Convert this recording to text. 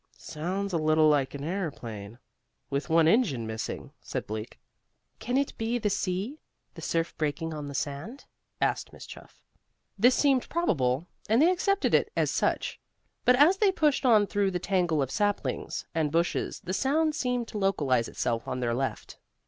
"Sounds a little like an airplane, with one engine missing," said Bleak. "Can it be the sea, the surf breaking on the sand?" asked Miss Chuff. This seemed probable, and they accepted it as such; but as they pushed on through the tangle of saplings and bushes the sound seemed to localize itself on their left.